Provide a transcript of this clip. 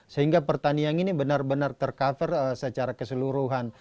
sehingga pertanian ini benar benar tercover secara keseluruhan